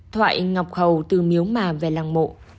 thoại ngọc hầu từ miếu mà về lăng mộ